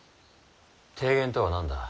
提言とは何だ？